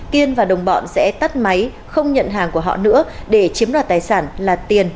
kiên và đồng bọn sẽ tắt máy không nhận hàng của họ nữa để chiếm đoạt tài sản là tiền